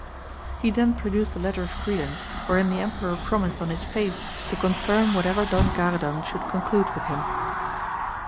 He then pro duced a letter of credence wherein the emperor promised on his faith to confirm whatever Don Gara dan should conclude with him.